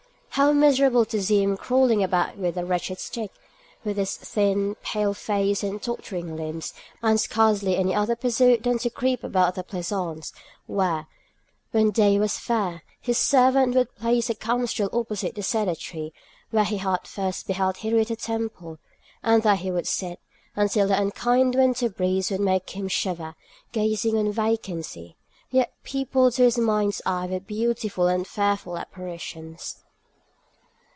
How miserable to see him crawling about with a wretched stick, with his thin, pale face, and tottering limbs, and scarcely any other pursuit than to creep about the pleasaunce, where, when the day was fair, his servant would place a camp stool opposite the cedar tree where he had first beheld Henrietta Temple; and there he would sit, until the unkind winter breeze would make him shiver, gazing on vacancy; yet peopled to his mind's eye with beautiful and fearful apparitions.